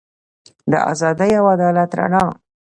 د ازادۍ او عدالت رڼا.